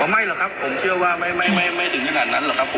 ไม่หรอกครับผมเชื่อว่าไม่ถึงขนาดนั้นหรอกครับผม